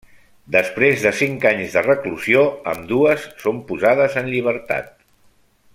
Després de cinc anys de reclusió, ambdues són posades en llibertat.